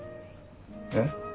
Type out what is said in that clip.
えっ？